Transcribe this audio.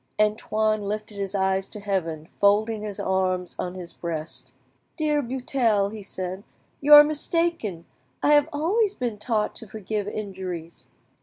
Antoine lifted his eyes to heaven, and folding his arms on his breast— "Dear Buttel," he said, "you are mistaken; I have always been taught to forgive injuries."